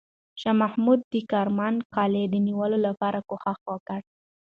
شاه محمود د کرمان قلعه د نیولو لپاره کوښښ وکړ.